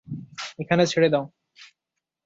এখানে ছেড়ে দাও।